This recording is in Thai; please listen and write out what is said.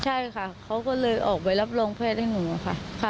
ใช่ค่ะเขาก็เลยออกไปรับรองแพทย์ให้หนูค่ะ